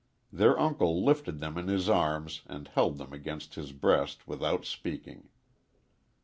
Their uncle lifted them in his arms and held them against his breast without speaking.